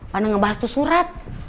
pada ngebahas tuh surat